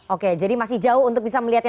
oke jadi masih jauh untuk bisa melihatnya